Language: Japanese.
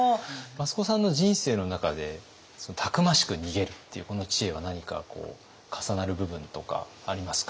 益子さんの人生の中でたくましく逃げるっていうこの知恵は何か重なる部分とかありますか？